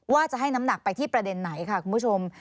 ว่าจะให้น้ำหนักไปที่ประเด็นไหนค่ะคุณผู้ชม